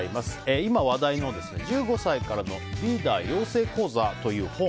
今話題の「１５歳からのリーダー養成講座」という本。